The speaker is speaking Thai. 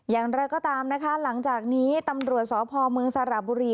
อย่างไรก็ตามนะคะหลังจากนี้ตำรวจสพเมืองสระบุรี